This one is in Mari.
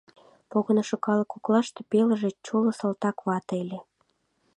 Погынышо калык коклаште пелыже чоло салтак вате ыле.